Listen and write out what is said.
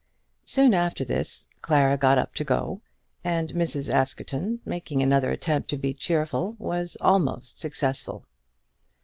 Soon after this Clara got up to go, and Mrs. Askerton, making another attempt to be cheerful, was almost successful.